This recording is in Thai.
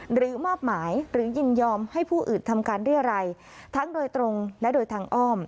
หรือมอบหมายหรือยินยอมให้ผู้อื่นทำการเรียรัยทั้งโดยตรงและโดยทางอ้อม